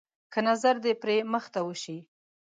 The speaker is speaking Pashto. که نظر د پري مخ ته وشي.